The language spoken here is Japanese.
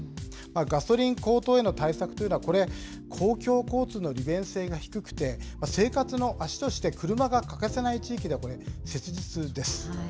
ガソリン高騰への対策というのは、これ、公共交通の利便性が低くて、生活の足として車が欠かせない地域では、これ、切実です。